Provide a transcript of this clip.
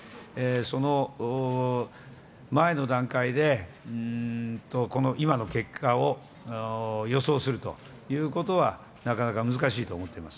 その前の段階で、今の結果を予想するということは、なかなか難しいと思っています。